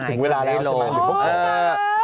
ถึงเวลาแล้วโมเมนต์